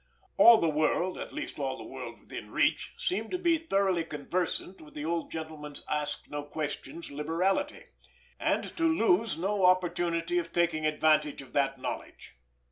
All the world, at least all the world within reach, seemed to be thoroughly conversant with the old gentleman's ask no questions liberality—and to lose no opportunity in taking advantage of that knowledge!